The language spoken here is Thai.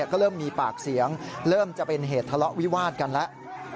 ก็เริ่มมีปากเสียงเริ่มจะเป็นเหตุทะเลาะวิวาดกันแล้ว